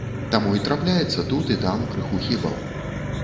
Таму й трапляецца тут і там крыху хібаў.